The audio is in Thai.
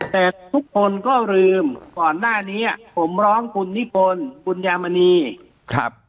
แต่ทุกคนก็ลืมก่อนหน้านี้ผมร้องคุณนิพนธ์บุญยามณีครับ